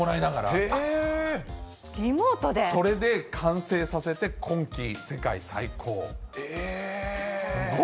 それで完成させて、今季世界えー。